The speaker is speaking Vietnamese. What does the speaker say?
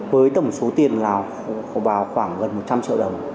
với tổng số tiền là khoảng gần một trăm linh triệu đồng